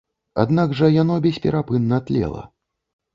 Аднак жа яно бесперапынна тлела.